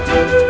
baik pak man